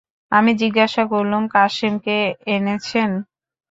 আমি জিজ্ঞাসা করলুম, কাসেমকে এনেছেন?